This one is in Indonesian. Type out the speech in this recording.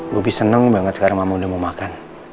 bobby seneng banget sekarang mama udah mau makan